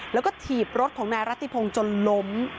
แล้วก็ถีบรถของนายรัติพงศ์จนล้ม